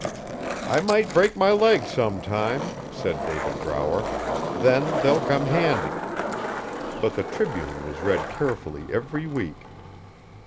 'I might break my leg sometime,' said David Brower, 'then they'll come handy.' But the Tribune was read carefully every week.